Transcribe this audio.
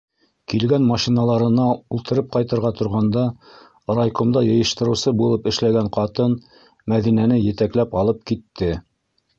Килгән машиналарына ултырып ҡайтырға торғанда, райкомда йыйыштырыусы булып эшләгән ҡатын Мәҙинәне етәкләп алып китте: